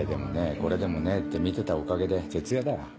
これでもねえって見てたおかげで徹夜だよ。